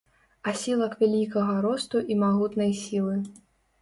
Асілак вялікага росту і магутнай сілы.